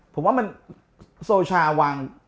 ผมว่ามันโซชาวาง